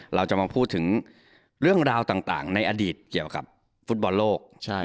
เราจะมาพูดถึงเรื่องราวต่างในอดีตเกี่ยวกับฟุตบอลโลก